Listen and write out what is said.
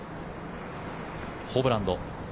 ホブランド。